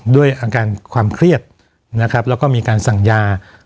ด้วยอาการความเครียดนะครับแล้วก็มีการสั่งยา